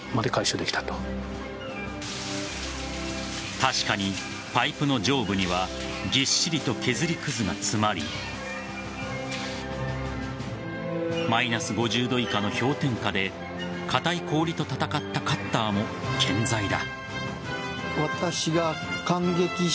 確かに、パイプの上部にはぎっしりと削りくずが詰まりマイナス５０度以下の氷点下で硬い氷と戦ったカッターも健在だ。